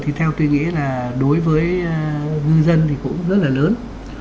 thì theo tôi nghĩ là đối với ngư dân thì cũng rất là lớn